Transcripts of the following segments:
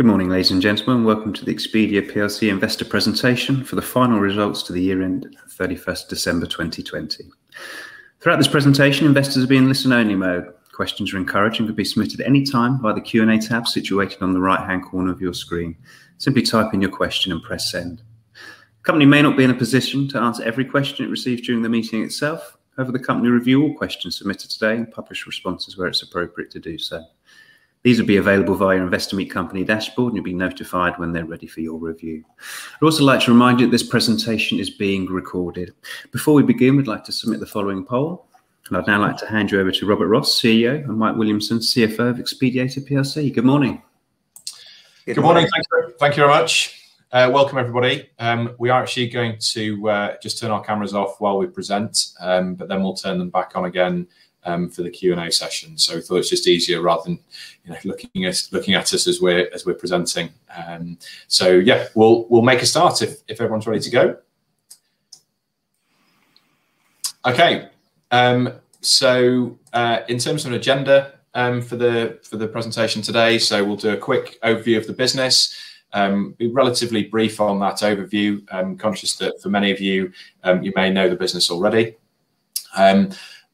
Good morning, ladies and gentlemen. Welcome to the Xpediator PLC investor presentation for the final results to the year-end of 31st December 2020. Throughout this presentation, investors will be in listen only mode. Questions are encouraged and can be submitted any time by the Q&A tab situated on the right-hand corner of your screen. Simply type in your question and press send. Company may not be in a position to answer every question it receives during the meeting itself. However, the company will review all questions submitted today and publish responses where it's appropriate to do so. These will be available via Investor Meet Company dashboard, and you'll be notified when they're ready for your review. I'd also like to remind you this presentation is being recorded. Before we begin, we'd like to submit the following poll, and I'd now like to hand you over to Robert Ross, CEO, and Mike Williamson, CFO of Xpediator PLC. Good morning. Good morning. Good morning. Thank you very much. Welcome, everybody. We are actually going to just turn our cameras off while we present, but then we'll turn them back on again for the Q&A session. We thought it's just easier rather than looking at us as we're presenting. Yeah, we'll make a start if everyone's ready to go. Okay. In terms of an agenda for the presentation today, so we'll do a quick overview of the business. Be relatively brief on that overview. I'm conscious that for many of you may know the business already.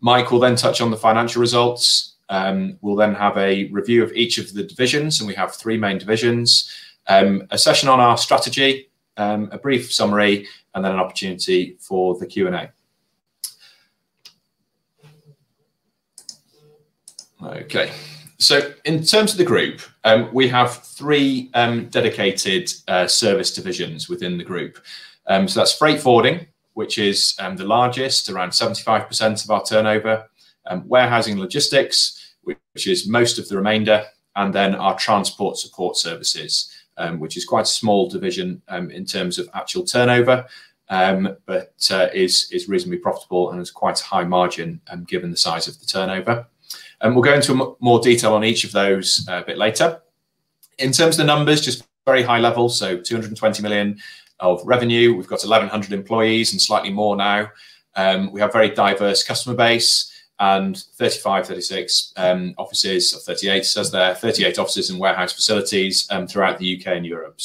Mike will then touch on the financial results. We'll then have a review of each of the divisions, and we have three main divisions. A session on our strategy, a brief summary, and then an opportunity for the Q&A. Okay. In terms of the group, we have three dedicated service divisions within the group. That's freight forwarding, which is the largest, around 75% of our turnover. Warehousing logistics, which is most of the remainder, and then our transport support services, which is quite a small division in terms of actual turnover, but is reasonably profitable and is quite high margin given the size of the turnover. We'll go into more detail on each of those a bit later. In terms of the numbers, just very high level, 220 million of revenue. We've got 1,100 employees and slightly more now. We have very diverse customer base and 35, 36 offices, or 38 it says there. 38 offices and warehouse facilities throughout the U.K. and Europe.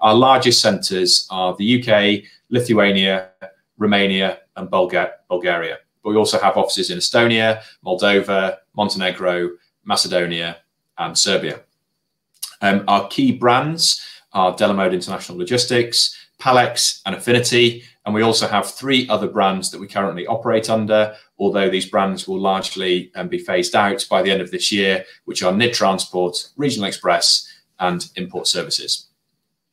Our largest centers are the U.K., Lithuania, Romania, and Bulgaria. We also have offices in Estonia, Moldova, Montenegro, Macedonia, and Serbia. Our key brands are Delamode International Logistics, Palletways, and Affinity, and we also have three other brands that we currently operate under, although these brands will largely be phased out by the end of this year, which are Nidd Transport, Regional Express, and Import Services.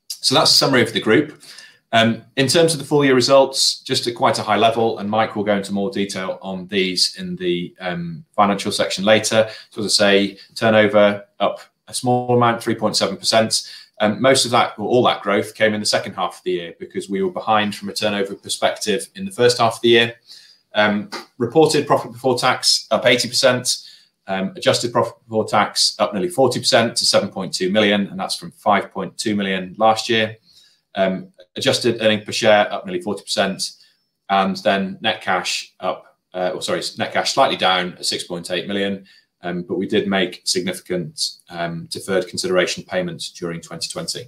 That's a summary of the group. In terms of the full-year results, just at quite a high level, and Mike will go into more detail on these in the financial section later. As I say, turnover up a small amount, 3.7%, and most of that, or all that growth came in the second half of the year because we were behind from a turnover perspective in the first half of the year. Reported profit before tax up 80%, adjusted profit before tax up nearly 40% to 7.2 million, and that's from 5.2 million last year. Adjusted earnings per share up nearly 40%. Oh, sorry, net cash slightly down at 6.8 million, but we did make significant deferred consideration payments during 2020.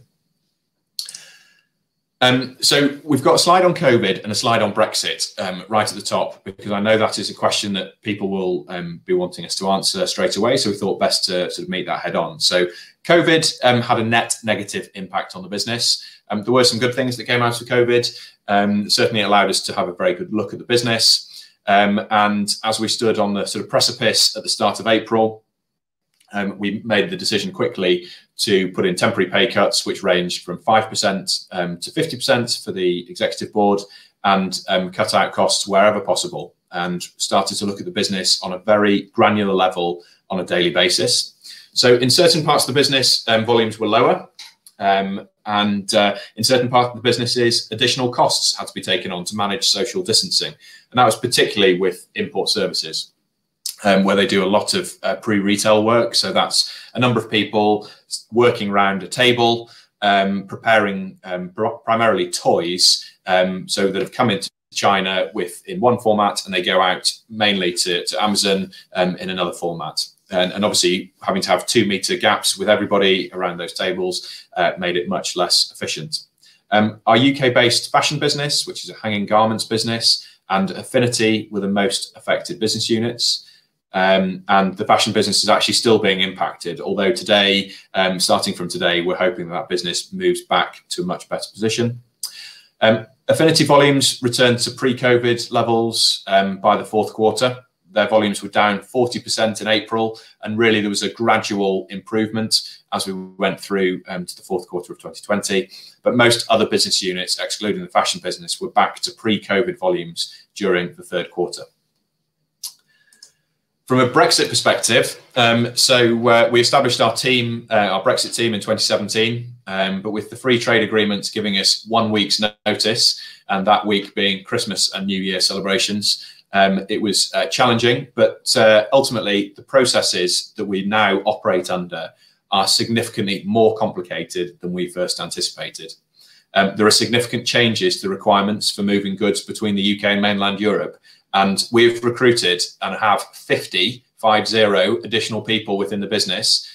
We've got a slide on COVID and a slide on Brexit right at the top because I know that is a question that people will be wanting us to answer straight away, we thought best to sort of meet that head on. COVID had a net negative impact on the business. There were some good things that came out of COVID. Certainly allowed us to have a very good look at the business, as we stood on the sort of precipice at the start of April, we made the decision quickly to put in temporary pay cuts, which ranged from 5%-50% for the executive board and cut out costs wherever possible and started to look at the business on a very granular level on a daily basis. In certain parts of the business, volumes were lower, and in certain parts of the businesses, additional costs had to be taken on to manage social distancing. That was particularly with Import Services, where they do a lot of pre-retail work, so that's a number of people working around a table, preparing primarily toys. That have come into China in one format, and they go out mainly to Amazon in another format. Obviously having to have two-meter gaps with everybody around those tables made it much less efficient. Our U.K.-based fashion business, which is a hanging garments business, and Affinity were the most affected business units. The fashion business is actually still being impacted although today, starting from today, we're hoping that business moves back to a much better position. Affinity volumes returned to pre-COVID levels by the fourth quarter. Their volumes were down 40% in April and really there was a gradual improvement as we went through to the fourth quarter of 2020. Most other business units, excluding the fashion business, were back to pre-COVID volumes during the third quarter. We established our Brexit team in 2017, but with the free trade agreements giving us one week's notice and that week being Christmas and New Year celebrations, it was challenging. Ultimately, the processes that we now operate under are significantly more complicated than we first anticipated. There are significant changes to the requirements for moving goods between the U.K. and mainland Europe, and we've recruited and have 50 additional people within the business,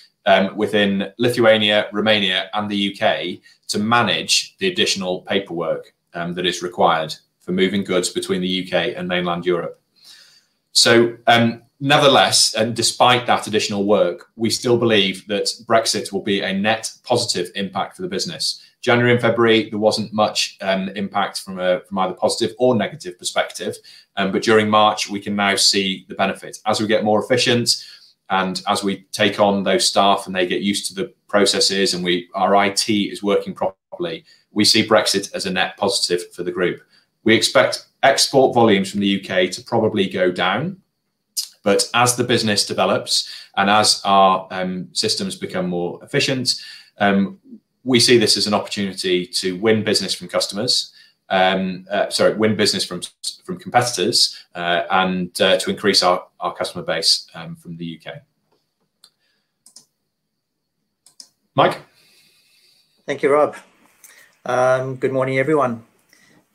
within Lithuania, Romania, and the U.K., to manage the additional paperwork that is required for moving goods between the U.K. and mainland Europe. Nevertheless, and despite that additional work, we still believe that Brexit will be a net positive impact for the business. January and February, there wasn't much impact from either positive or negative perspective. During March, we can now see the benefit. As we get more efficient and as we take on those staff and they get used to the processes and our IT is working properly, we see Brexit as a net positive for the group. We expect export volumes from the U.K. to probably go down. As the business develops and as our systems become more efficient, we see this as an opportunity to win business from competitors, and to increase our customer base from the U.K. Mike? Thank you, Rob. Good morning, everyone.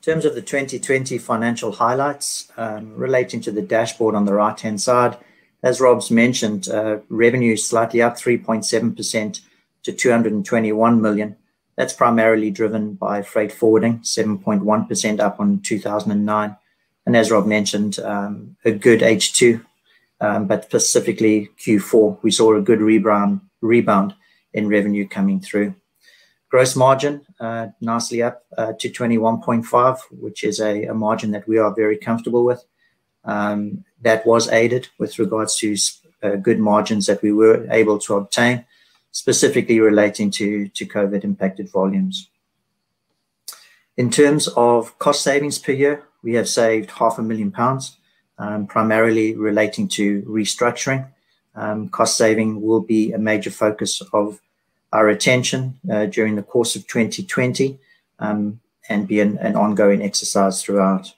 In terms of the 2020 financial highlights relating to the dashboard on the right-hand side, as Rob's mentioned, revenue is slightly up 3.7% to 221 million. That's primarily driven by freight forwarding, 7.1% up on 2019. As Rob mentioned, a good H2. Specifically Q4, we saw a good rebound in revenue coming through. Gross margin, nicely up to 21.5%, which is a margin that we are very comfortable with. That was aided with regards to good margins that we were able to obtain, specifically relating to COVID-impacted volumes. In terms of cost savings per year, we have saved GBP half a million pounds, primarily relating to restructuring. Cost saving will be a major focus of our attention during the course of 2020, and be an ongoing exercise throughout.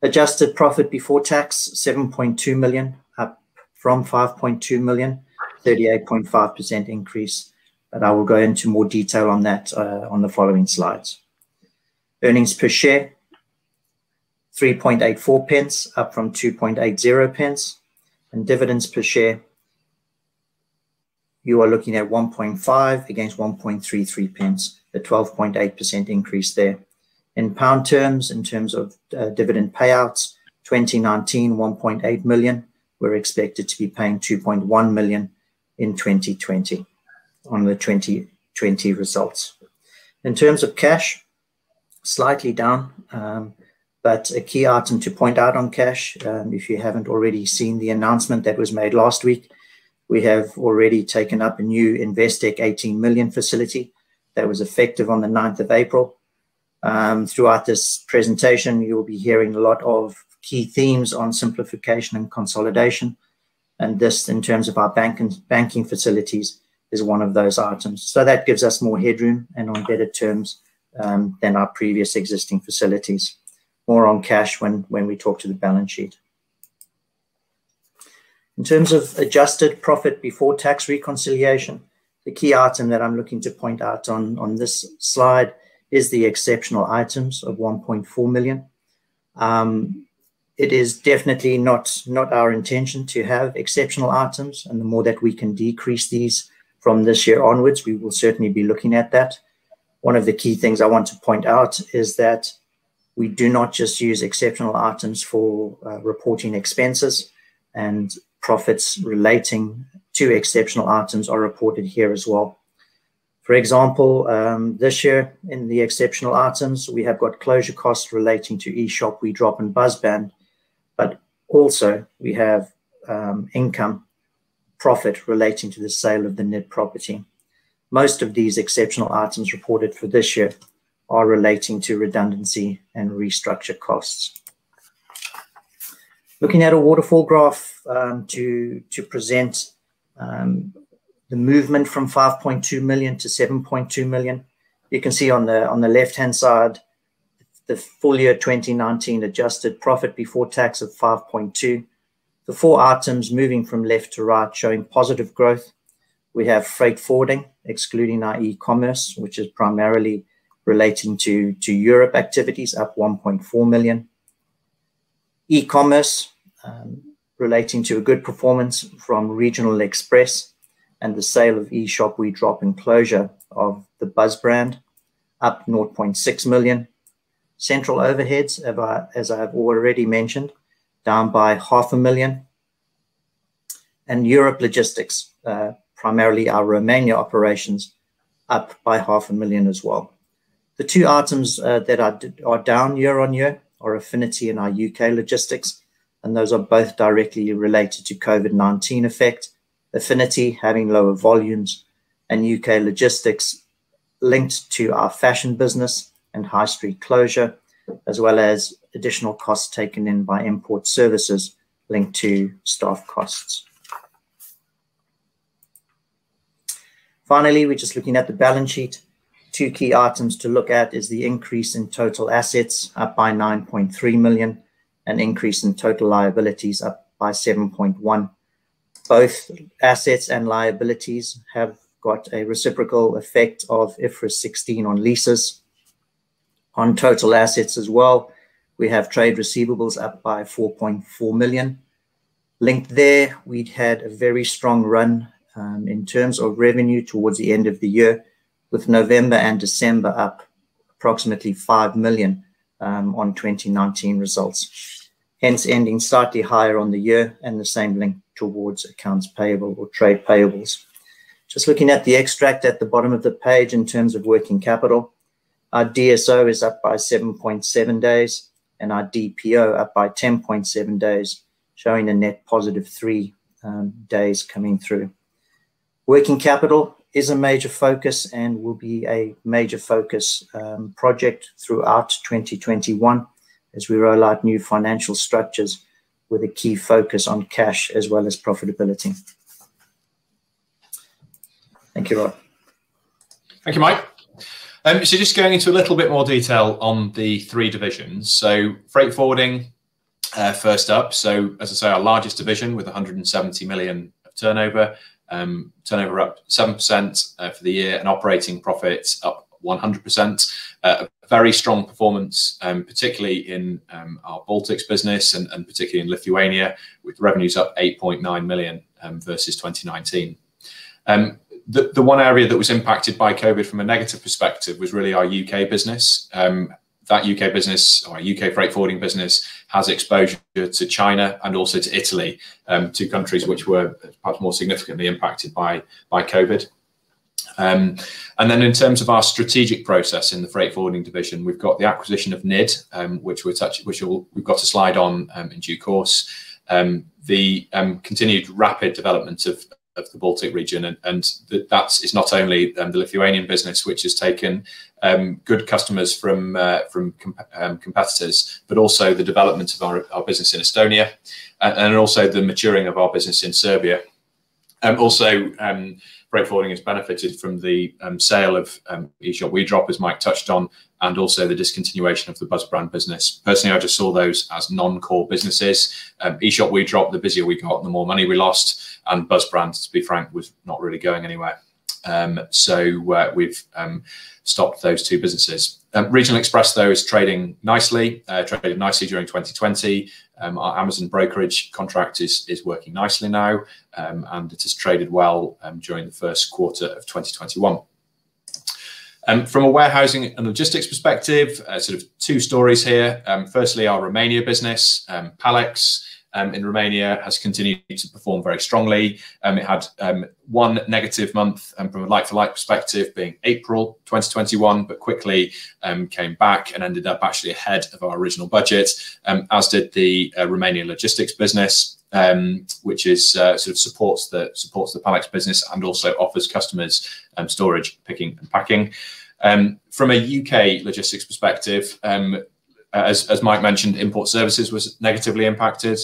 Adjusted profit before tax, 7.2 million, up from 5.2 million, 38.5% increase. I will go into more detail on that on the following slides. Earnings per share, 0.0384 up from 0.0280. Dividends per share, you are looking at 0.015 against 0.0133, a 12.8% increase there. In GBP terms, in terms of dividend payouts, 2019, 1.8 million. We're expected to be paying 2.1 million in 2020 on the 2020 results. In terms of cash, slightly down, but a key item to point out on cash, if you haven't already seen the announcement that was made last week, we have already taken up a new Investec 18 million facility that was effective on the 9th of April. Throughout this presentation, you'll be hearing a lot of key themes on simplification and consolidation, and this, in terms of our banking facilities, is one of those items. That gives us more headroom and on better terms than our previous existing facilities. More on cash when we talk to the balance sheet. In terms of adjusted profit before tax reconciliation, the key item that I'm looking to point out on this slide is the exceptional items of 1.4 million. It is definitely not our intention to have exceptional items, and the more that we can decrease these from this year onwards, we will certainly be looking at that. One of the key things I want to point out is that we do not just use exceptional items for reporting expenses and profits relating to exceptional items are reported here as well. For example, this year, in the exceptional items, we have got closure costs relating to EshopWedrop and BuzzBrand, but also we have income profit relating to the sale of the NID property. Most of these exceptional items reported for this year are relating to redundancy and restructure costs. Looking at a waterfall graph to present the movement from 5.2 million to 7.2 million. You can see on the left-hand side, the full year 2019 adjusted profit before tax of 5.2 million. The four items moving from left to right, showing positive growth. We have freight forwarding, excluding our e-commerce, which is primarily relating to Europe activities, up 1.4 million. E-commerce relating to a good performance from Regional Express and the sale of EshopWedrop, and closure of the BuzzBrand, up 0.6 million. Central overheads, as I have already mentioned, down by GBP half a million. Europe logistics, primarily our Romania operations, up by GBP half a million as well. The two items that are down year-on-year are Affinity and our U.K. logistics, and those are both directly related to COVID-19 effect. Affinity having lower volumes and U.K. logistics linked to our fashion business and high street closure, as well as additional costs taken in by Import Services linked to staff costs. Finally, we're just looking at the balance sheet. Two key items to look at is the increase in total assets up by 9.3 million, an increase in total liabilities up by 7.1 million. Both assets and liabilities have got a reciprocal effect of IFRS 16 on leases. On total assets as well, we have trade receivables up by 4.4 million. Linked there, we'd had a very strong run in terms of revenue towards the end of the year, with November and December up approximately 5 million on 2019 results, hence ending slightly higher on the year and the same link towards accounts payable or trade payables. Just looking at the extract at the bottom of the page in terms of working capital, our DSO is up by 7.7 days and our DPO up by 10.7 days, showing a net positive three days coming through. Working capital is a major focus and will be a major focus project throughout 2021 as we roll out new financial structures with a key focus on cash as well as profitability. Thank you, Rob. Thank you, Mike. Just going into a little bit more detail on the three divisions. Freight forwarding first up. As I say, our largest division with 170 million of turnover. Turnover up 7% for the year and operating profit up 100%. A very strong performance, particularly in our Baltics business and particularly in Lithuania with revenues up 8.9 million versus 2019. The one area that was impacted by COVID from a negative perspective was really our U.K. business. That U.K. business, our U.K. freight forwarding business, has exposure to China and also to Italy, two countries which were much more significantly impacted by COVID. In terms of our strategic process in the freight forwarding division, we've got the acquisition of NID, which we've got a slide on in due course. The continued rapid development of the Baltic region and that is not only the Lithuanian business, which has taken good customers from competitors, but also the development of our business in Estonia and also the maturing of our business in Serbia. Freight forwarding has benefited from the sale of EshopWedrop, as Mike touched on, and also the discontinuation of the BuzzBrand business. Personally, I just saw those as non-core businesses. EshopWedrop, the busier we got, the more money we lost, and BuzzBrand, to be frank, was not really going anywhere. We've stopped those two businesses. Regional Express, though, is trading nicely. Traded nicely during 2020. Our Amazon brokerage contract is working nicely now, and it has traded well during the first quarter of 2021. From a warehousing and logistics perspective, sort of two stories here. Firstly, our Romania business, Pall-Ex, in Romania has continued to perform very strongly. It had one negative month from a like-to-like perspective being April 2021, quickly came back and ended up actually ahead of our original budget. As did the Romanian logistics business which sort of supports the Pall-Ex business and also offers customers storage, picking, and packing. From a U.K. logistics perspective, as Mike mentioned, Import Services was negatively impacted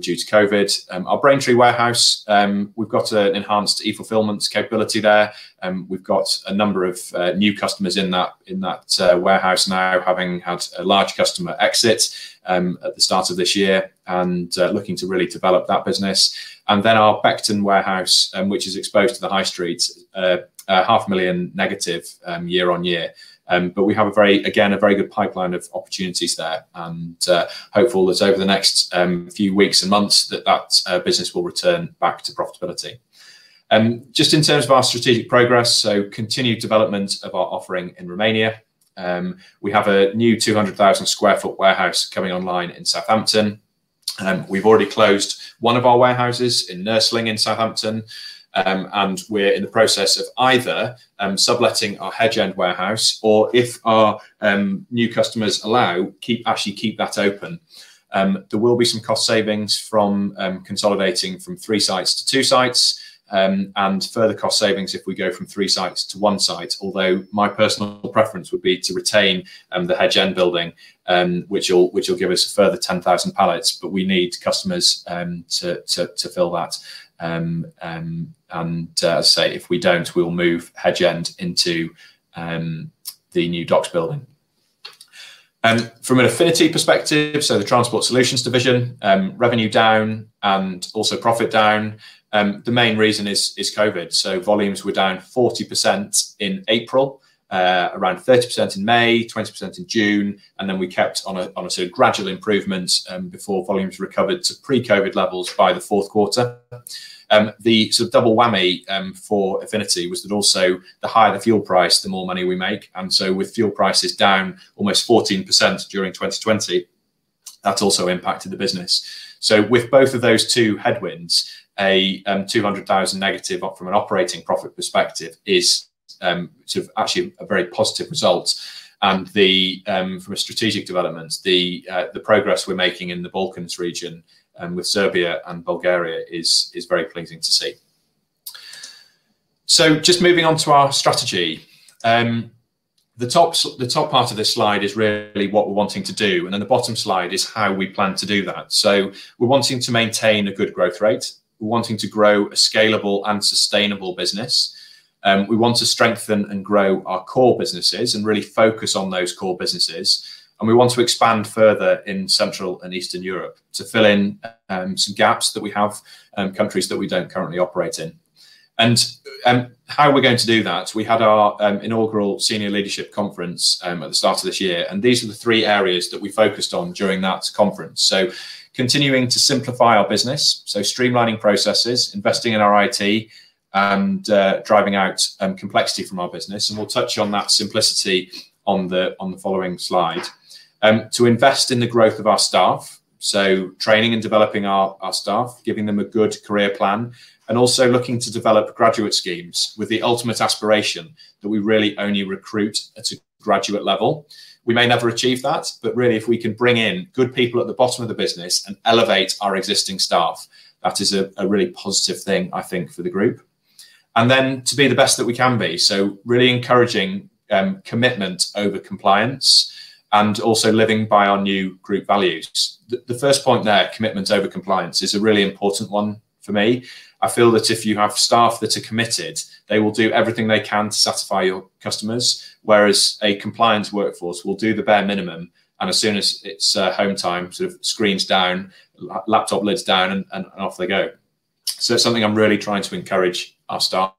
due to COVID. Our Braintree warehouse, we've got an enhanced e-fulfillment capability there. We've got a number of new customers in that warehouse now, having had a large customer exit at the start of this year and looking to really develop that business. Our Beckton warehouse, which is exposed to the high street, a half million GBP negative year-on-year. We have, again, a very good pipeline of opportunities there and hopeful that over the next few weeks and months that that business will return back to profitability. Just in terms of our strategic progress, continued development of our offering in Romania. We have a new 200,000 sq ft warehouse coming online in Southampton. We've already closed one of our warehouses in Nursling in Southampton, and we're in the process of either subletting our Hedge End warehouse or if our new customers allow, actually keep that open. There will be some cost savings from consolidating from three sites to two sites, and further cost savings if we go from three sites to one site. My personal preference would be to retain the Hedge End building, which will give us a further 10,000 pallets, but we need customers to fill that. As I say, if we don't, we'll move Hedge End into the new docks building. From an Affinity perspective, so the transport solutions division, revenue down and also profit down. The main reason is COVID. Volumes were down 40% in April, around 30% in May, 20% in June, and then we kept on a sort of gradual improvement before volumes recovered to pre-COVID levels by the fourth quarter. The sort of double whammy for Affinity was that also the higher the fuel price, the more money we make. With fuel prices down almost 14% during 2020, that's also impacted the business. With both of those two headwinds, a 200,000 negative from an operating profit perspective is sort of actually a very positive result. From a strategic development, the progress we're making in the Balkans region with Serbia and Bulgaria is very pleasing to see. Just moving on to our strategy. The top part of this slide is really what we're wanting to do, and then the bottom slide is how we plan to do that. We're wanting to maintain a good growth rate. We're wanting to grow a scalable and sustainable business. We want to strengthen and grow our core businesses and really focus on those core businesses, and we want to expand further in Central and Eastern Europe to fill in some gaps that we have, countries that we don't currently operate in. How are we going to do that? We had our inaugural senior leadership conference at the start of this year, and these are the three areas that we focused on during that conference. Continuing to simplify our business, so streamlining processes, investing in our IT, and driving out complexity from our business, and we'll touch on that simplicity on the following slide. To invest in the growth of our staff, so training and developing our staff, giving them a good career plan, and also looking to develop graduate schemes with the ultimate aspiration that we really only recruit at a graduate level. We may never achieve that, but really, if we can bring in good people at the bottom of the business and elevate our existing staff, that is a really positive thing, I think, for the group. Then to be the best that we can be. Really encouraging commitment over compliance and also living by our new group values. The first point there, commitment over compliance, is a really important one for me. I feel that if you have staff that are committed, they will do everything they can to satisfy your customers, whereas a compliance workforce will do the bare minimum, and as soon as it's home time, screens down, laptop lids down, and off they go. It's something I'm really trying to encourage our staff.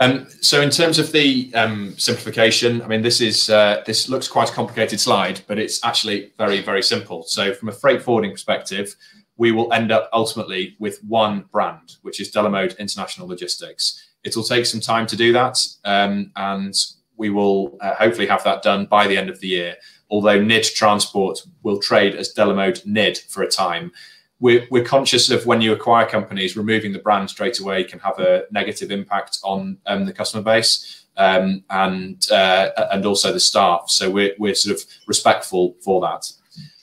In terms of the simplification, this looks quite a complicated slide, but it's actually very simple. From a freight forwarding perspective, we will end up ultimately with one brand, which is Delamode International Logistics. It'll take some time to do that, and we will hopefully have that done by the end of the year, although Nidd Transport will trade as Delamode Nidd for a time. We're conscious of when you acquire companies, removing the brand straightaway can have a negative impact on the customer base and also the staff. We're respectful for that.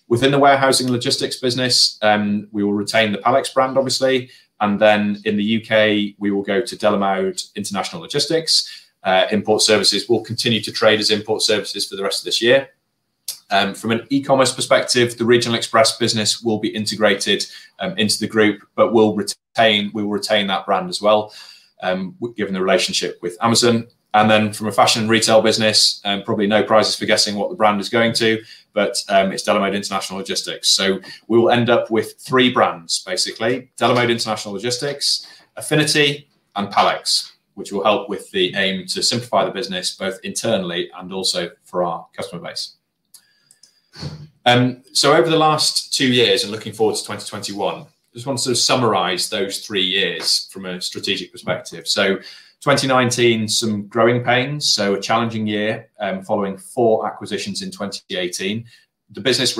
Within the warehousing logistics business, we will retain the Pall-Ex brand, obviously, and then in the U.K. we will go to Delamode International Logistics. Import Services will continue to trade as Import Services for the rest of this year. From an e-commerce perspective, the Regional Express business will be integrated into the group but we will retain that brand as well, given the relationship with Amazon. From a fashion retail business, probably no prizes for guessing what the brand is going to, but it's Delamode International Logistics. We will end up with three brands, basically, Delamode International Logistics, Affinity, and Pall-Ex, which will help with the aim to simplify the business both internally and also for our customer base. Over the last two years and looking forward to 2021, just want to sort of summarize those three years from a strategic perspective. 2019, some growing pains, so a challenging year following four acquisitions in 2018. The business,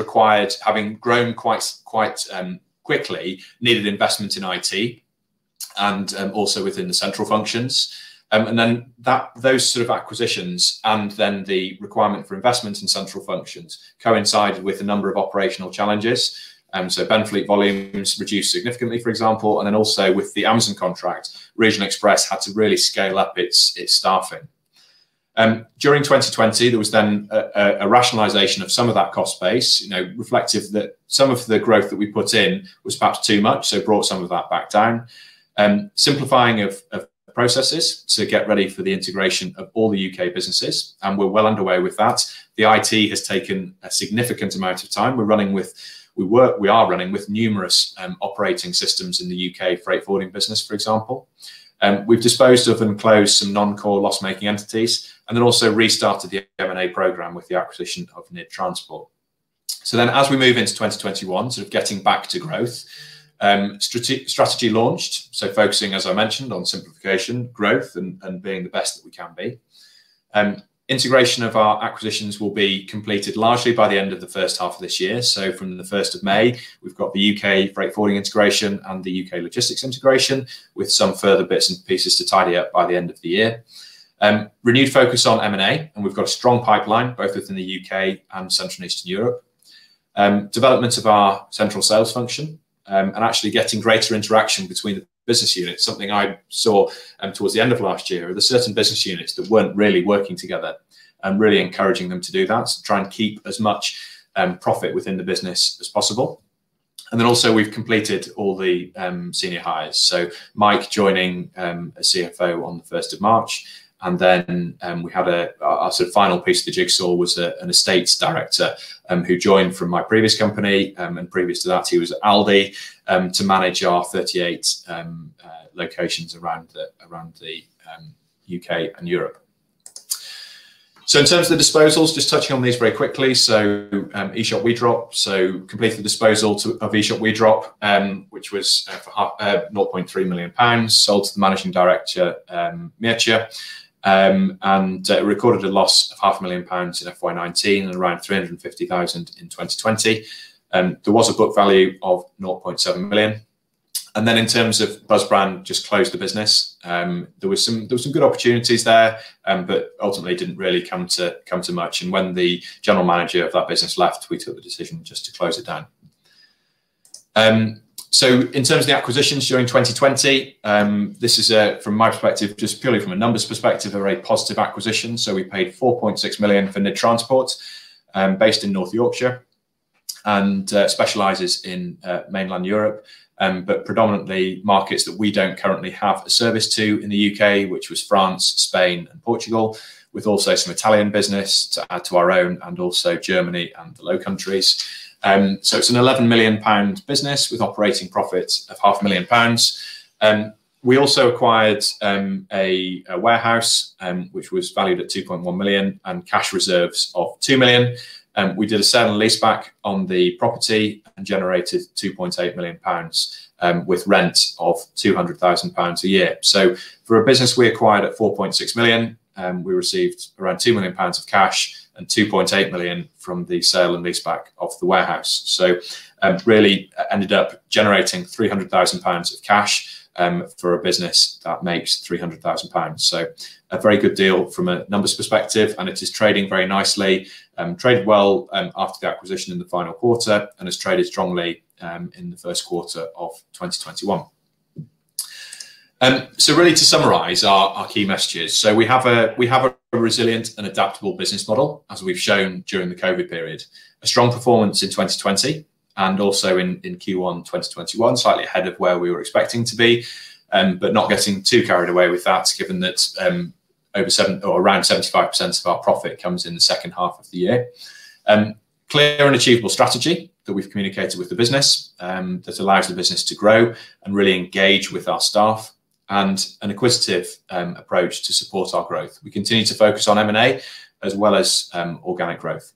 having grown quite quickly, needed investment in IT and also within the central functions. Those sort of acquisitions and then the requirement for investments in central functions coincided with a number of operational challenges. Benfleet volumes reduced significantly, for example, and then also with the Amazon contract, Regional Express had to really scale up its staffing. During 2020, there was then a rationalization of some of that cost base, reflective that some of the growth that we put in was perhaps too much, so brought some of that back down. Simplifying of processes to get ready for the integration of all the U.K. businesses, and we're well underway with that. The IT has taken a significant amount of time. We are running with numerous operating systems in the U.K. freight forwarding business, for example. We've disposed of and closed some non-core loss-making entities and then also restarted the M&A program with the acquisition of NID Transport. As we move into 2021, sort of getting back to growth, strategy launched, so focusing, as I mentioned, on simplification, growth, and being the best that we can be. Integration of our acquisitions will be completed largely by the end of the first half of this year. From the first of May, we've got the U.K. freight forwarding integration and the U.K. logistics integration with some further bits and pieces to tidy up by the end of the year. Renewed focus on M&A. We've got a strong pipeline both within the U.K. and Central and Eastern Europe. Development of our central sales function and actually getting greater interaction between the business units, something I saw towards the end of last year. There's certain business units that weren't really working together, and really encouraging them to do that, to try and keep as much profit within the business as possible. Also we've completed all the senior hires, so Mike joining as CFO on the first of March, and then our sort of final piece of the jigsaw was an estates director who joined from my previous company, and previous to that he was at Aldi, to manage our 38 locations around the U.K. and Europe. In terms of the disposals, just touching on these very quickly. Completed the disposal of EshopWedrop, which was for 0.3 million pounds, sold to the managing director, Mircea, and recorded a loss of 500,000 pounds in FY 2019 and around 350,000 in 2020. There was a book value of 0.7 million. In terms of BuzzBrand, just closed the business. There were some good opportunities there, but ultimately it didn't really come to much, and when the general manager of that business left, we took the decision just to close it down. In terms of the acquisitions during 2020, this is, from my perspective, just purely from a numbers perspective, a very positive acquisition. We paid 4.6 million for NID Transport, based in North Yorkshire, and specializes in mainland Europe but predominantly markets that we don't currently have a service to in the U.K., which was France, Spain, and Portugal, with also some Italian business to add to our own and also Germany and the Low Countries. It's an 11 million pound business with operating profits of half a million pounds. We also acquired a warehouse which was valued at 2.1 million and cash reserves of 2 million. We did a sale and leaseback on the property and generated 2.8 million pounds, with rent of 200,000 pounds a year. For a business we acquired at 4.6 million, we received around 2 million pounds of cash and 2.8 million from the sale and leaseback of the warehouse. Really ended up generating 300,000 pounds of cash for a business that makes 300,000 pounds. A very good deal from a numbers perspective, and it is trading very nicely. Traded well after the acquisition in the final quarter and has traded strongly in the first quarter of 2021. Really to summarize our key messages. We have a resilient and adaptable business model, as we've shown during the COVID period, a strong performance in 2020 and also in Q1 2021, slightly ahead of where we were expecting to be but not getting too carried away with that, given that around 75% of our profit comes in the second half of the year. Clear and achievable strategy that we've communicated with the business, that allows the business to grow and really engage with our staff and an acquisitive approach to support our growth. We continue to focus on M&A as well as organic growth.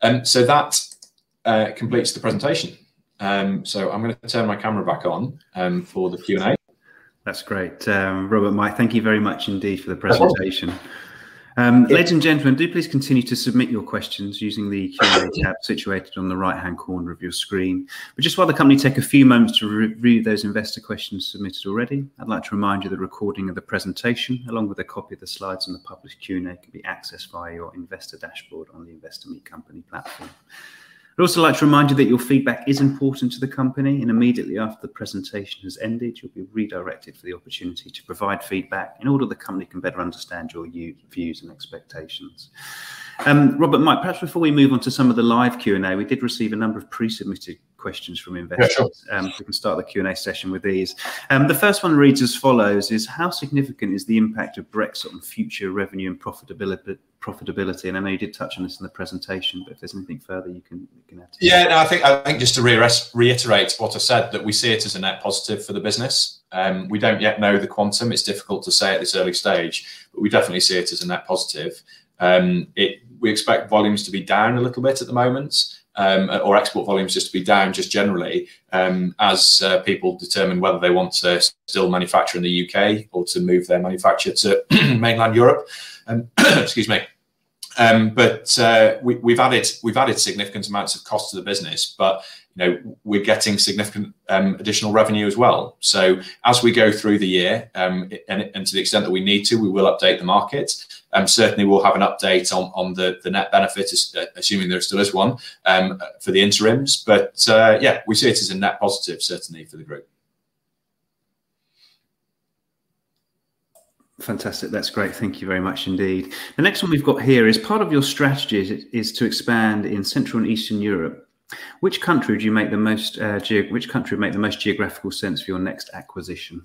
That completes the presentation. I'm going to turn my camera back on for the Q&A. That's great. Robert, Mike, thank you very much indeed for the presentation. No problem. Ladies and gentlemen, do please continue to submit your questions using the Q&A tab situated on the right-hand corner of your screen. Just while the company take a few moments to review those investor questions submitted already, I'd like to remind you that a recording of the presentation, along with a copy of the slides and the published Q&A, can be accessed via your investor dashboard on the Investor Meet Company platform. I'd also like to remind you that your feedback is important to the company, immediately after the presentation has ended, you'll be redirected for the opportunity to provide feedback in order the company can better understand your views and expectations. Robert, Mike, perhaps before we move on to some of the live Q&A, we did receive a number of pre-submitted questions from investors. Yeah, sure. We can start the Q&A session with these. The first one reads as follows, "How significant is the impact of Brexit on future revenue and profitability?" I know you did touch on this in the presentation, but if there's anything further you can add to that. No, I think just to reiterate what I said, that we see it as a net positive for the business. We don't yet know the quantum. It's difficult to say at this early stage, but we definitely see it as a net positive. We expect volumes to be down a little bit at the moment, or export volumes just to be down just generally, as people determine whether they want to still manufacture in the U.K. or to move their manufacture to mainland Europe. Excuse me. We've added significant amounts of cost to the business, but we're getting significant additional revenue as well. As we go through the year, and to the extent that we need to, we will update the market. Certainly, we'll have an update on the net benefit, assuming there still is one, for the interims. Yeah, we see it as a net positive certainly for the group. Fantastic. That's great. Thank you very much indeed. The next one we've got here is, part of your strategy is to expand in Central and Eastern Europe. Which country would make the most geographical sense for your next acquisition?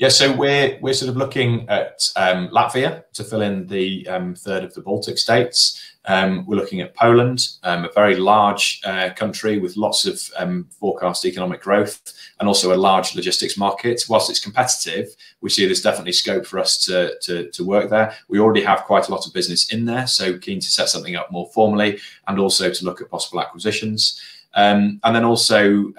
We're sort of looking at Latvia to fill in the third of the Baltic states. We're looking at Poland, a very large country with lots of forecast economic growth and also a large logistics market. Whilst it's competitive, we see there's definitely scope for us to work there. We already have quite a lot of business in there, keen to set something up more formally and also to look at possible acquisitions. Also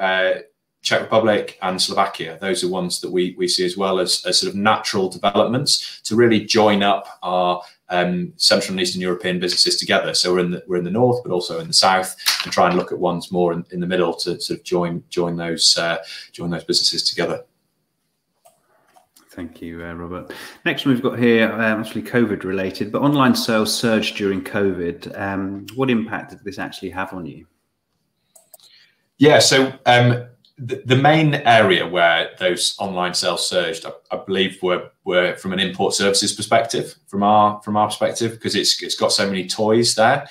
Czech Republic and Slovakia. Those are ones that we see as well as sort of natural developments to really join up our Central and Eastern European businesses together. We're in the north, but also in the south and try and look at ones more in the middle to sort of join those businesses together. Thank you, Robert. Next one we've got here, actually COVID related. Online sales surged during COVID. What impact did this actually have on you? The main area where those online sales surged, I believe, were from an Import Services perspective, from our perspective, because it's got so many toys there.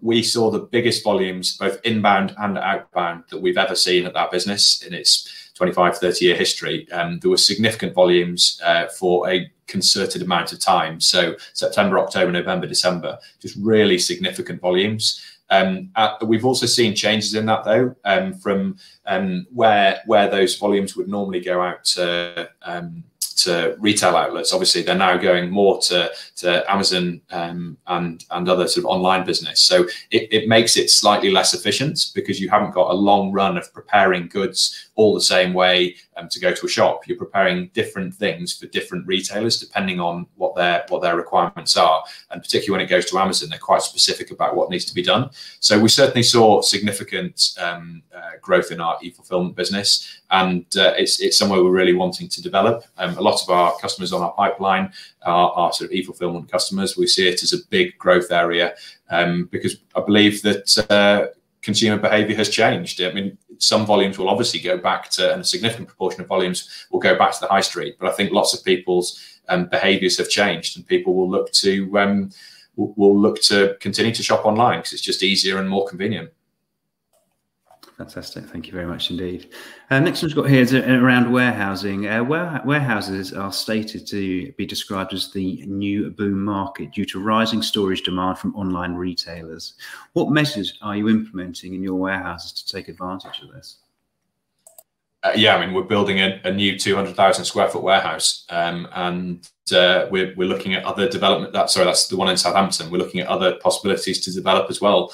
We saw the biggest volumes, both inbound and outbound, that we've ever seen at that business in its 25, 30-year history. There were significant volumes for a concerted amount of time. September, October, November, December, just really significant volumes. We've also seen changes in that, though, from where those volumes would normally go out to retail outlets, obviously they're now going more to Amazon and other sort of online business. It makes it slightly less efficient because you haven't got a long run of preparing goods all the same way to go to a shop. You're preparing different things for different retailers depending on what their requirements are. Particularly when it goes to Amazon, they're quite specific about what needs to be done. We certainly saw significant growth in our e-fulfillment business, and it's somewhere we're really wanting to develop. A lot of our customers on our pipeline are sort of e-fulfillment customers. We see it as a big growth area because I believe that consumer behavior has changed. A significant proportion of volumes will go back to the high street, but I think lots of people's behaviors have changed and people will look to continue to shop online because it's just easier and more convenient. Fantastic. Thank you very much indeed. Next one's got here is around warehousing. Warehouses are stated to be described as the new boom market due to rising storage demand from online retailers. What measures are you implementing in your warehouses to take advantage of this? Yeah, we're building a new 200,000 square foot warehouse. We're looking at other development Sorry, that's the one in Southampton. We're looking at other possibilities to develop as well.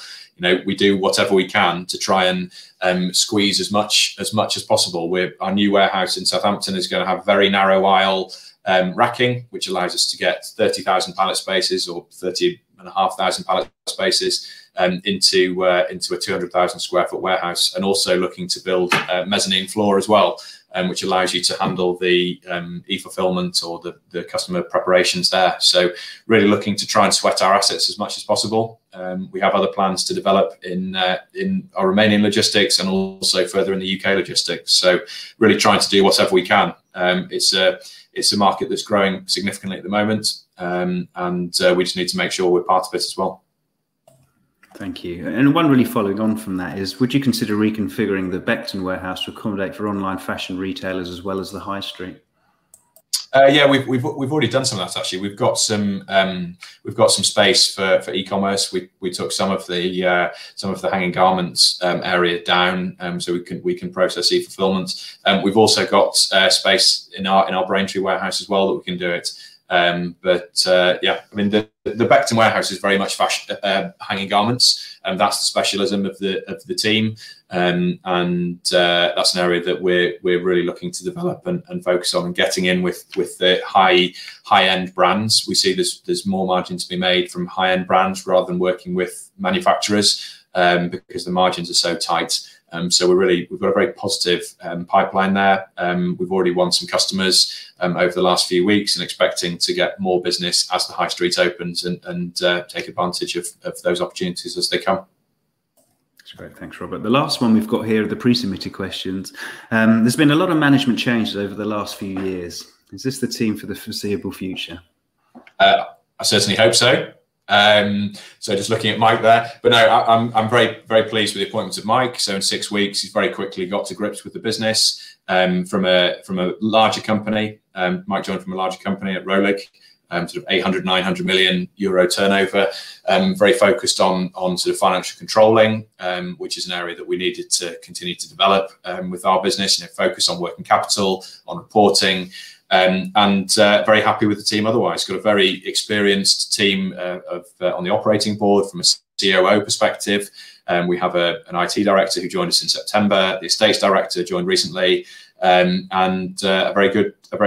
We do whatever we can to try and squeeze as much as possible. Our new warehouse in Southampton is going to have very narrow aisle racking, which allows us to get 30,000 pallet spaces or 30,500 pallet spaces into a 200,000 square foot warehouse. Also looking to build a mezzanine floor as well, which allows you to handle the e-fulfillment or the customer preparations there. Really looking to try and sweat our assets as much as possible. We have other plans to develop in our Romanian logistics and also further in the U.K. logistics. Really trying to do whatever we can. It's a market that's growing significantly at the moment, and we just need to make sure we're part of it as well. Thank you. One really following on from that is, would you consider reconfiguring the Beckton warehouse to accommodate for online fashion retailers as well as the high street? Yeah, we've already done some of that actually. We've got some space for e-commerce. We took some of the hanging garments area down, so we can process e-fulfillment. We've also got space in our Braintree warehouse as well that we can do it. Yeah, the Beckton warehouse is very much hanging garments, and that's the specialism of the team. That's an area that we're really looking to develop and focus on and getting in with the high-end brands. We see there's more margin to be made from high-end brands rather than working with manufacturers, because the margins are so tight. We've got a very positive pipeline there. We've already won some customers over the last few weeks and expecting to get more business as the high street opens and take advantage of those opportunities as they come. That's great. Thanks, Robert. The last one we've got here are the pre-submitted questions. There's been a lot of management changes over the last few years. Is this the team for the foreseeable future? I certainly hope so. Just looking at Mike there. No, I'm very pleased with the appointment of Mike. In six weeks, he's very quickly got to grips with the business from a larger company. Mike joined from a larger company at Röhlig, sort of 800 million, 900 million euro turnover, very focused on sort of financial controlling, which is an area that we needed to continue to develop with our business and a focus on working capital, on reporting. Very happy with the team otherwise. Got a very experienced team on the operating board from a COO perspective. We have an IT director who joined us in September, the estates director joined recently, and a very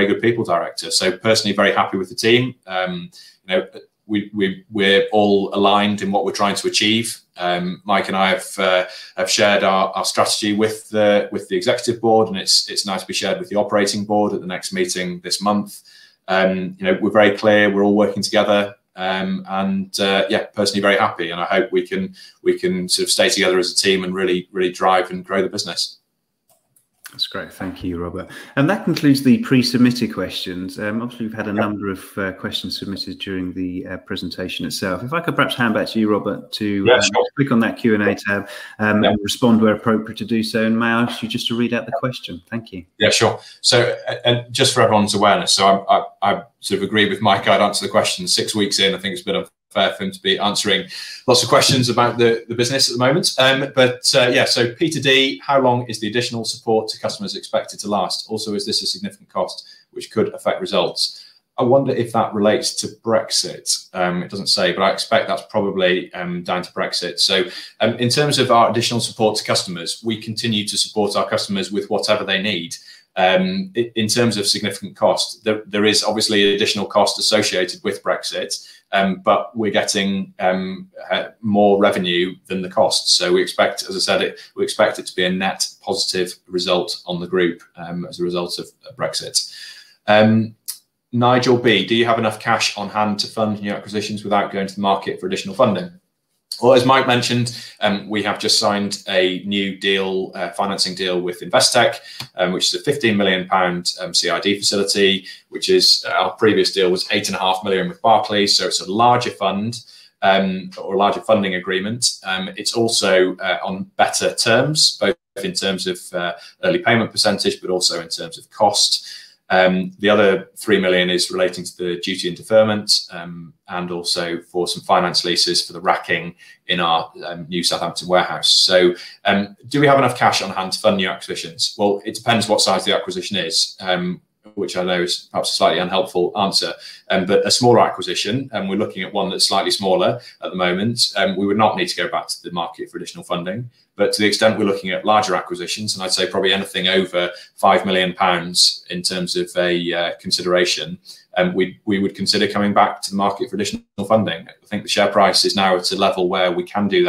good people director. Personally very happy with the team. We're all aligned in what we're trying to achieve. Mike and I have shared our strategy with the executive board, and it's nice to be shared with the operating board at the next meeting this month. We're very clear, we're all working together, and yeah, personally very happy, and I hope we can sort of stay together as a team and really drive and grow the business. That's great. Thank you, Robert. That concludes the pre-submitted questions. Obviously, we've had a number of questions submitted during the presentation itself. If I could perhaps hand back to you, Robert, to. Yeah, sure. Click on that Q&A tab and respond where appropriate to do so. May I ask you just to read out the question? Thank you. Yeah, sure. Just for everyone's awareness, so I sort of agree with Mike. I'd answer the question six weeks in, I think it's a bit of fair thing to be answering lots of questions about the business at the moment. Peter D, "How long is the additional support to customers expected to last? Also, is this a significant cost which could affect results?" I wonder if that relates to Brexit. It doesn't say, but I expect that's probably down to Brexit. In terms of our additional support to customers, we continue to support our customers with whatever they need. In terms of significant cost, there is obviously additional cost associated with Brexit, but we're getting more revenue than the cost. We expect, as I said, we expect it to be a net positive result on the group as a result of Brexit. Do you have enough cash on hand to fund new acquisitions without going to the market for additional funding?" Well, as Mike mentioned, we have just signed a new financing deal with Investec, which is a 15 million pound CID facility. Our previous deal was 8.5 million with Barclays, so it's a larger fund, or a larger funding agreement. It's also on better terms, both in terms of early payment percentage, but also in terms of cost. The other 3 million is relating to the duty and deferment, and also for some finance leases for the racking in our new Southampton warehouse. Do we have enough cash on hand to fund new acquisitions? Well, it depends what size the acquisition is, which I know is perhaps a slightly unhelpful answer. A smaller acquisition, and we're looking at one that's slightly smaller at the moment, we would not need to go back to the market for additional funding. To the extent we're looking at larger acquisitions, and I'd say probably anything over 5 million pounds in terms of a consideration, we would consider coming back to the market for additional funding. I think the share price is now at a level where we can do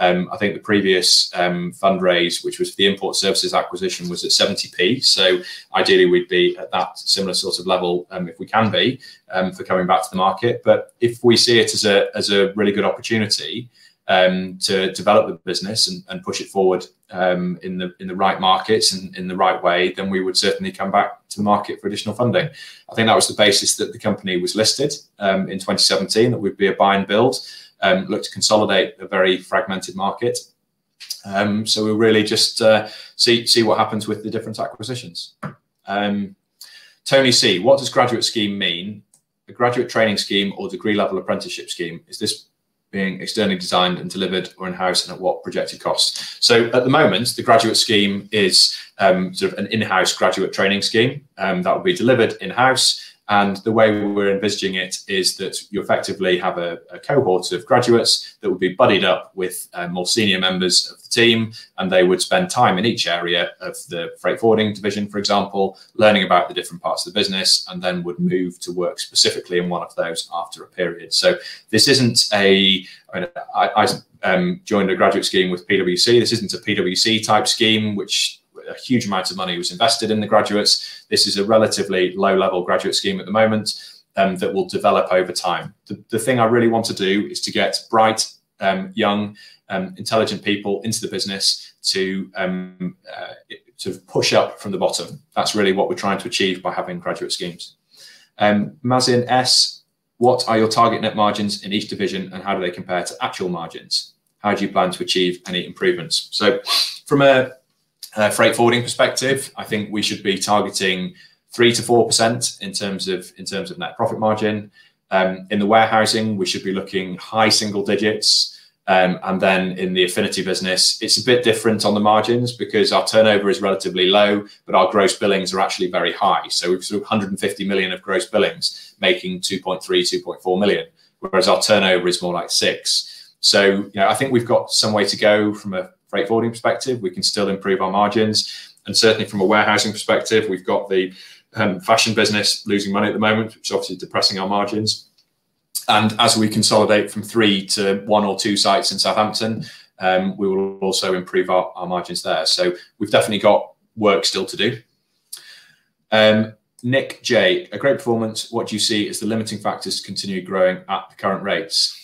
that. I think the previous fundraise, which was the Import Services acquisition, was at 0.70. Ideally we'd be at that similar sort of level, if we can be, for coming back to the market. If we see it as a really good opportunity to develop the business and push it forward in the right markets and in the right way, then we would certainly come back to the market for additional funding. I think that was the basis that the company was listed in 2017, that we'd be a buy and build, look to consolidate a very fragmented market. We'll really just see what happens with the different acquisitions. What does graduate scheme mean? A graduate training scheme or degree level apprenticeship scheme, is this being externally designed and delivered or in-house and at what projected cost? At the moment, the graduate scheme is an in-house graduate training scheme that will be delivered in-house and the way we're envisaging it is that you effectively have a cohort of graduates that will be buddied up with more senior members of the team, and they would spend time in each area of the freight forwarding division, for example, learning about the different parts of the business and then would move to work specifically in one of those after a period. I joined a graduate scheme with PwC, this isn't a PwC type scheme, which a huge amount of money was invested in the graduates. This is a relatively low-level graduate scheme at the moment, that will develop over time. The thing I really want to do is to get bright, young, intelligent people into the business to push up from the bottom. That's really what we're trying to achieve by having graduate schemes. Mazin S.: What are your target net margins in each division and how do they compare to actual margins? How do you plan to achieve any improvements? From a freight forwarding perspective, I think we should be targeting 3%-4% in terms of net profit margin. In the warehousing, we should be looking high single digits. In the Affinity business, it's a bit different on the margins because our turnover is relatively low, but our gross billings are actually very high. We've sort of 150 million of gross billings making 2.3 million, 2.4 million, whereas our turnover is more like 6. I think we've got some way to go from a freight forwarding perspective. We can still improve our margins and certainly from a warehousing perspective, we've got the fashion business losing money at the moment, which is obviously depressing our margins and as we consolidate from three to one or two sites in Southampton, we will also improve our margins there. We've definitely got work still to do. A great performance. What do you see as the limiting factors to continue growing at the current rates?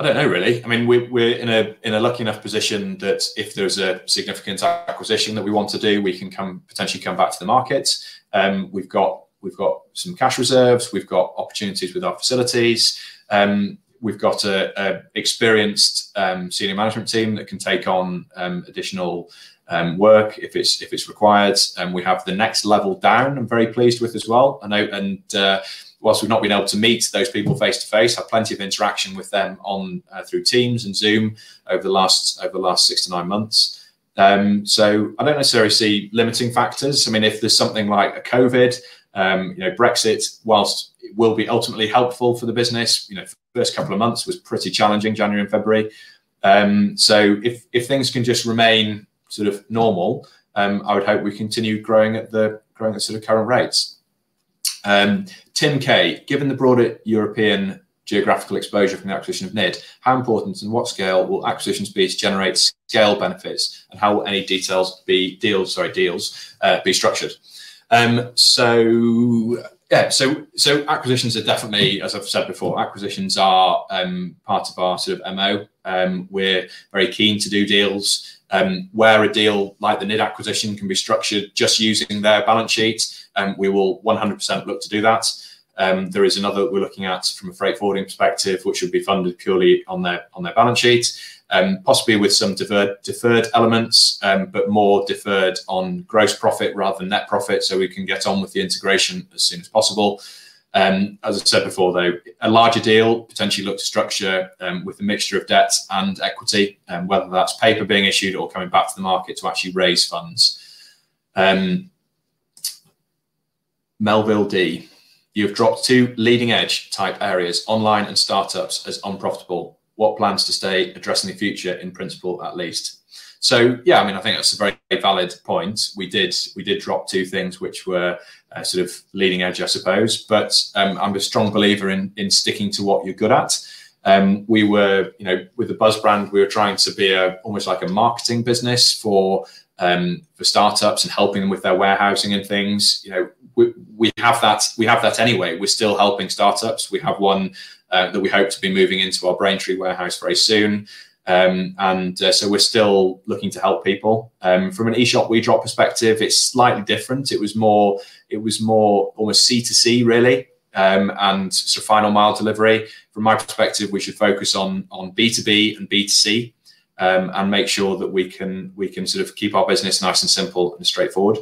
I don't know, really. We're in a lucky enough position that if there's a significant acquisition that we want to do, we can potentially come back to the market. We've got some cash reserves, we've got opportunities with our facilities. We've got an experienced senior management team that can take on additional work if it's required. We have the next level down I'm very pleased with as well and whilst we've not been able to meet those people face-to-face, have plenty of interaction with them through Teams and Zoom over the last six to nine months. I don't necessarily see limiting factors. If there's something like a COVID, Brexit, whilst it will be ultimately helpful for the business, first couple of months was pretty challenging, January and February. I would hope we continue growing at sort of current rates. Tim K: Given the broader European geographical exposure from the acquisition of NID, how important and what scale will acquisitions be to generate scale benefits and how will any deals be structured? Acquisitions are definitely, as I've said before, acquisitions are part of our MO. We're very keen to do deals. Where a deal like the NID acquisition can be structured just using their balance sheet, we will 100% look to do that. There is another that we're looking at from a freight forwarding perspective, which would be funded purely on their balance sheet, possibly with some deferred elements, but more deferred on gross profit rather than net profit so we can get on with the integration as soon as possible. As I said before, though, a larger deal potentially look to structure with a mixture of debt and equity, whether that's paper being issued or coming back to the market to actually raise funds. Melville D: You have dropped two leading edge type areas, online and startups as unprofitable. What plans to stay addressing the future in principle at least? Yeah, I think that's a very valid point. We did drop two things which were leading edge, I suppose, but I'm a strong believer in sticking to what you're good at. With the BuzzBrand, we were trying to be almost like a marketing business for startups and helping them with their warehousing and things. We have that anyway. We're still helping startups. We have one that we hope to be moving into our Braintree warehouse very soon. We're still looking to help people. From an EshopWedrop perspective, it's slightly different. It was more almost C2C, really, and sort of final mile delivery. From my perspective, we should focus on B2B and B2C, and make sure that we can keep our business nice and simple and straightforward.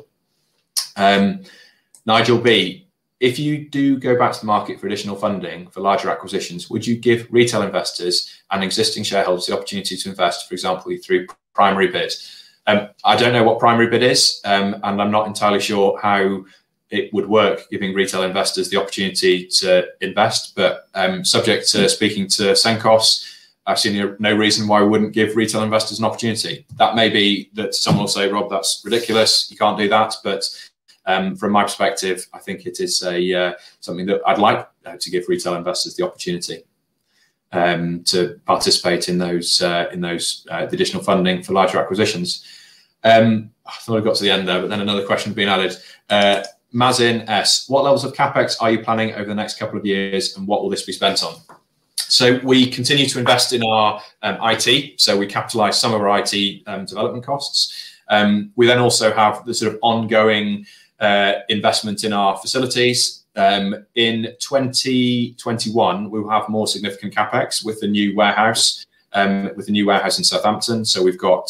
If you do go back to the market for additional funding for larger acquisitions, would you give retail investors and existing shareholders the opportunity to invest, for example, through PrimaryBid? I don't know what PrimaryBid is, and I'm not entirely sure how it would work giving retail investors the opportunity to invest. Subject to speaking to Cenkos, I see no reason why I wouldn't give retail investors an opportunity. That may be that some will say, "Rob, that's ridiculous. You can't do that. From my perspective, I think it is something that I'd like to give retail investors the opportunity to participate in those additional funding for larger acquisitions. I thought I'd got to the end there, another question being added. Mazin S: What levels of CapEx are you planning over the next couple of years, and what will this be spent on? We continue to invest in our IT, so we capitalize some of our IT development costs. We also have the sort of ongoing investment in our facilities. In 2021, we will have more significant CapEx with the new warehouse in Southampton. We've got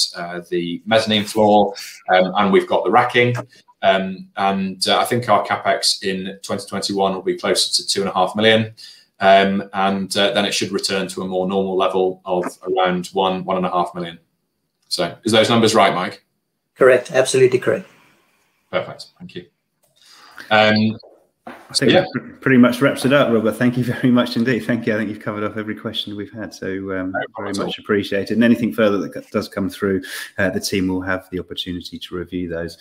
the mezzanine floor, and we've got the racking. I think our CapEx in 2021 will be closer to two and a half million, then it should return to a more normal level of around one million-GBP one and a half million. Is those numbers right, Mike? Correct. Absolutely correct. Perfect. Thank you. Yeah. That pretty much wraps it up, Robert. Thank you very much indeed. Thank you. I think you've covered off every question we've had. No problem at all. very much appreciated. Anything further that does come through, the team will have the opportunity to review those.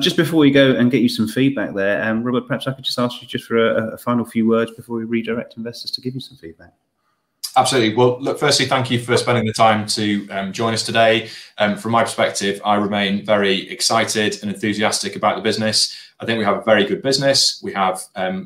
Just before we go and get you some feedback there, Robert, perhaps I could just ask you just for a final few words before we redirect investors to give you some feedback. Absolutely. Well, look, firstly, thank you for spending the time to join us today. From my perspective, I remain very excited and enthusiastic about the business. I think we have a very good business, we have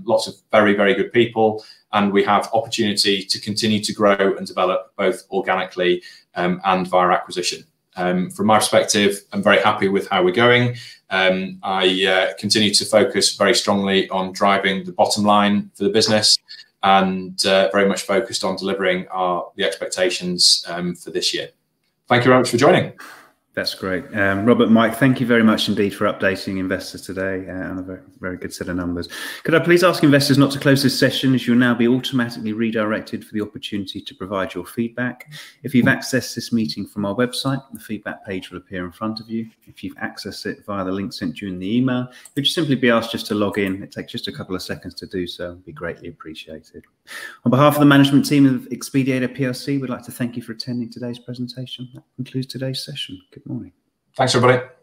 lots of very, very good people, and we have opportunity to continue to grow and develop both organically and via acquisition. From my perspective, I'm very happy with how we're going. I continue to focus very strongly on driving the bottom line for the business and very much focused on delivering the expectations for this year. Thank you very much for joining. That's great. Robert, Mike, thank you very much indeed for updating investors today. Had a very good set of numbers. Could I please ask investors not to close this session, as you'll now be automatically redirected for the opportunity to provide your feedback. If you've accessed this meeting from our website, the feedback page will appear in front of you. If you've accessed it via the link sent to you in the email, you'll simply be asked just to log in. It takes just a couple of seconds to do so and it would be greatly appreciated. On behalf of the management team of Xpediator PLC, we'd like to thank you for attending today's presentation. That concludes today's session. Good morning. Thanks, everybody. Thank you